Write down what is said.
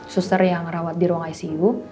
suster yang rawat di ruang icu